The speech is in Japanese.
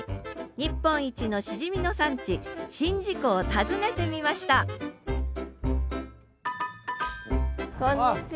日本一のシジミの産地宍道湖を訪ねてみましたこんにちは。